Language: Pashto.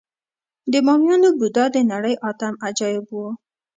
د بامیانو بودا د نړۍ اتم عجایب و